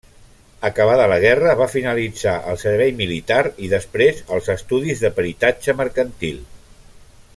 Acabada la guerra, va finalitzar el servei militar i després els estudis de peritatge mercantil.